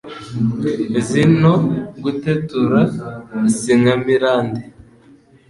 Izi no gutetura, si nkamirande :